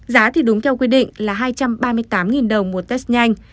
giá thì đúng theo quy định là hai trăm ba mươi tám đồng một test nhanh